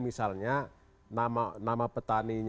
misalnya nama petani